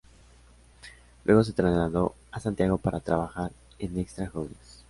Luego se trasladó a Santiago para trabajar en "Extra jóvenes".